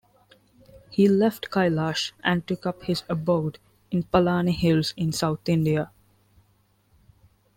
He left Kailash and took up his abode in Palani hills in South India.